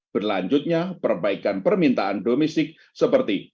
berlanjutnya perbaikan permintaan domestik seperti